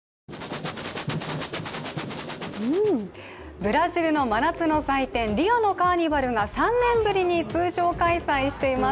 ブラジルの真夏の祭典、リオのカーニバルが３年ぶりに通常開催しています。